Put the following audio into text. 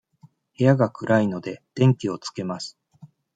部屋が暗いので、電気をつけます。